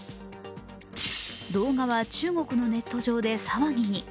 動画は中国のネット上で騒ぎに。